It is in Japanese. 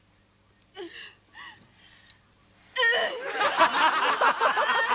うん！